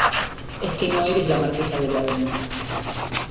es que no eres la Marquesa de Bradomín.